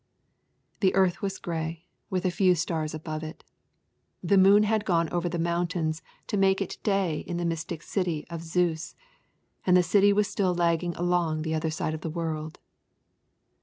The earth was grey, with a few stars above it. The moon had gone over the mountains to make it day in the mystic city of Zeus, and the sun was still lagging along the other side of the world.